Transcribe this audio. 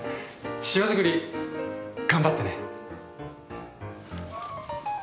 塩作り頑張ってね。